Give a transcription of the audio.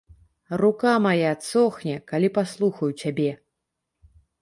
Рука мая адсохне, калі паслухаю цябе!